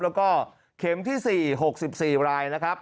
แล้วก็เข็มที่๔๖๔รายนะครับ